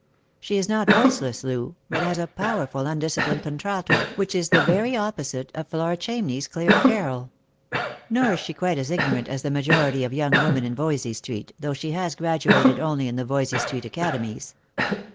She i3 not voiceless, Loo, but has a powerful undisciplined contralto, which is the very opposite of Flora Ohamney's clear carol. Nor i3 she quite as ignorant as the majority of young women in Lost for Love. 53 Voysey street, though she has graduated only in the Voysey street academies.